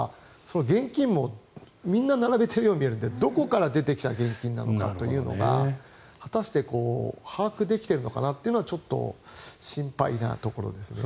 現金もみんな並べているように見えるのでどこから出てきた現金なのかというのが果たして把握できているのかな？というのはちょっと心配なところですね。